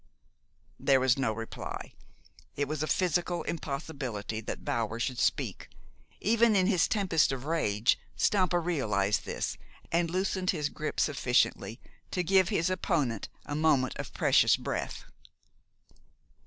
There was no reply. It was a physical impossibility that Bower should speak. Even in his tempest of rage Stampa realized this, and loosened his grip sufficiently to give his opponent a moment of precious breath.